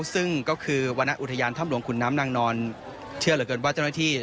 ซึ่งก็คือวรรณอุทยานทำลงขุนน้ำนางนอนเที่ยวเหลือเกินวัฒนาที่